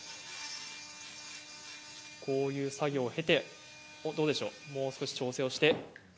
こういう作業を経てどうでしょうかもう少し調整しますか。